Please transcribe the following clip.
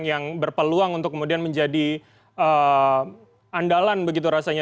yang berpeluang untuk kemudian menjadi andalan begitu rasanya